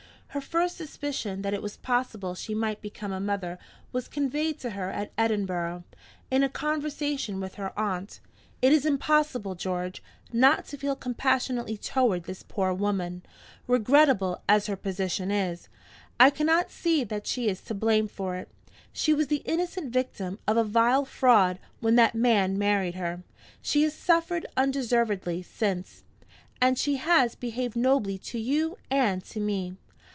Her first suspicion that it was possible she might become a mother was conveyed to her at Edinburgh, in a conversation with her aunt. It is impossible, George, not to feel compassionately toward this poor woman. Regrettable as her position is, I cannot see that she is to blame for it. She was the innocent victim of a vile fraud when that man married her; she has suffered undeservedly since; and she has behaved nobly to you and to me.